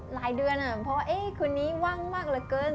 หลายเดือนเพราะว่าคนนี้ว่างมากเหลือเกิน